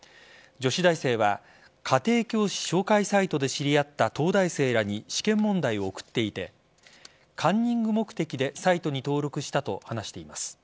女子大生は家庭教師紹介サイトで知り合った東大生らに試験問題を送っていてカンニング目的でサイトに登録したと話しています。